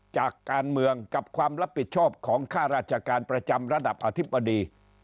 จากการเมืองกับความรับผิดชอบของค่าราชการประจำระดับอธิบดี